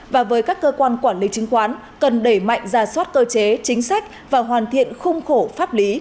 và với các cơ quan quản lý chứng khoán cần đẩy mạnh ra soát cơ chế chính sách và hoàn thiện khung khổ pháp lý